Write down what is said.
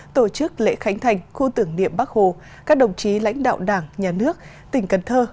tổ chức lễ khánh thành khu tưởng niệm bắc hồ các đồng chí lãnh đạo đảng nhà nước tỉnh cần thơ